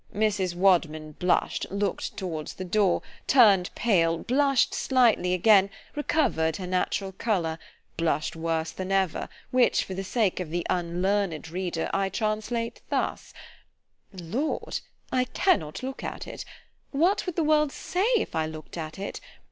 _ Mrs. Wadman blush'd——look'd towards the door——turn'd pale——blush'd slightly again——recover'd her natural colour——blush'd worse than ever; which, for the sake of the unlearned reader, I translate thus—— "L—d! I cannot look at it—— _What would the world say if I look'd at it?